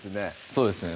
そうですね